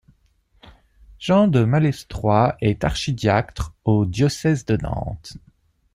Jean de Malestroit est archidiacre du diocèse de Nantes.